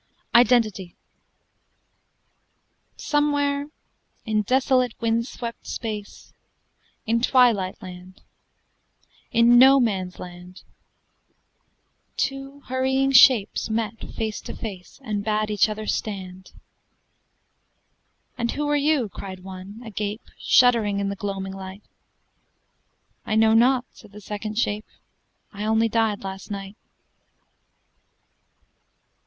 IDENTITY Somewhere in desolate wind swept space In Twilight land in No man's land Two hurrying Shapes met face to face, And bade each other stand. "And who are you?" cried one, agape, Shuddering in the gloaming light. "I know not," said the second Shape, "I only died last night!"